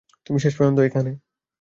তুমি শেষ পর্যন্ত এখানে।